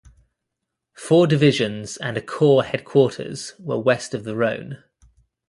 Four divisions and a corps headquarters were west of the Rhone.